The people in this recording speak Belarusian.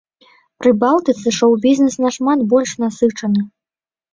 Прыбалтыцы шоў-бізнэс нашмат больш насычаны.